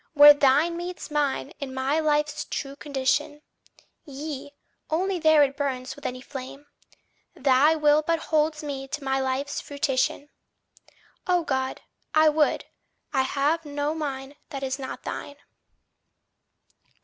Where thine meets mine is my life's true condition; Yea, only there it burns with any flame. Thy will but holds me to my life's fruition. O God, I would I have no mine that is not thine.